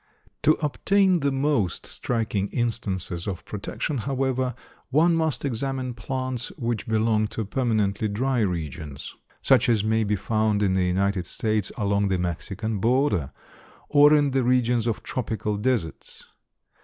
To obtain the most striking instances of protection, however, one must examine plants which belong to permanently dry regions, such as may be found in the United States along the Mexican border, or in the regions of tropical deserts.